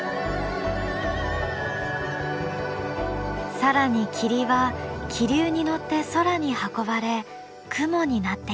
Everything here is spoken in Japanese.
更に霧は気流に乗って空に運ばれ雲になっていく。